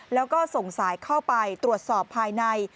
แล้วก็ส่งสายเข้าไปตรวจสอบภายใน